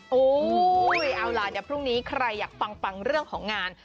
โอ้โหเอาล่ะเดี๋ยวพรุ่งนี้ใครอยากฟังเรื่องของงาน